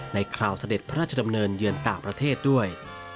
คราวเสด็จพระราชดำเนินเยือนต่างประเทศด้วย